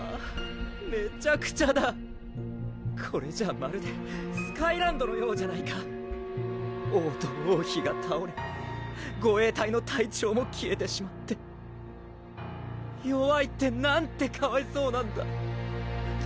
めちゃくちゃだこれじゃまるでスカイランドのようじゃないか王と王妃がたおれ護衛隊の隊長も消えてしまって弱いってなんてかわいそうなんだ